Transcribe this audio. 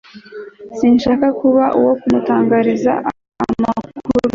sinshaka kuba uwo kumutangariza amakuru